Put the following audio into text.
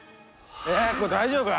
これ大丈夫か？